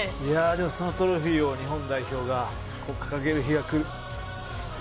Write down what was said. そのトロフィーを日本代表が掲げる日が来る。